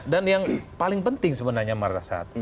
dan yang paling penting sebenarnya